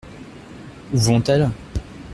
Où vont-elles ?